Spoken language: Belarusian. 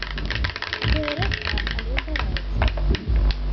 Такое рэдка, але здараецца.